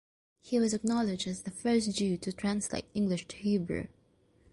He was acknowledged as the first Jew to translate English to Hebrew.